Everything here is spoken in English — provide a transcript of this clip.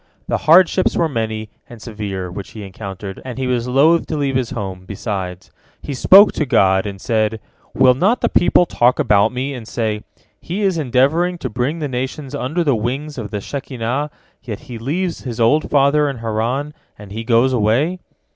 The hardships were many and severe which he encountered, and he was loth to leave his home, besides. He spoke to God, and said, "Will not the people talk about me, and say, 'He is endeavoring to bring the nations under the wings of the Shekinah, yet he leaves his old father in Haran, and he goes away.'"